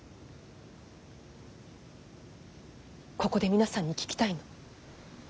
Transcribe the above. ここで皆さんに聞きたいの。